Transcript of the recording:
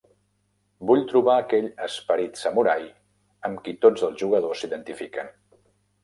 Vull trobar aquell "Esperit Samurai" amb qui tots els jugadors s'identifiquen.